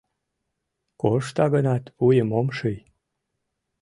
— Коршта гынат, вуйым ом ший...